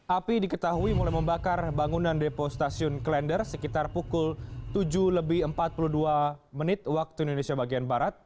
api diketahui mulai membakar bangunan depo stasiun klender sekitar pukul tujuh lebih empat puluh dua menit waktu indonesia bagian barat